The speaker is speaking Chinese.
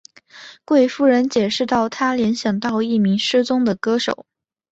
贵夫人解释道她联想到一名失踪的歌手。